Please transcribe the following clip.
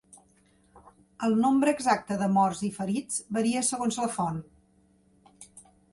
El nombre exacte de morts i ferits varia segons la font.